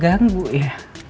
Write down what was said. apa aku ngeganggu ya